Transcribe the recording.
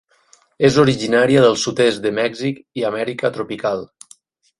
És originària del sud-est de Mèxic i Amèrica tropical.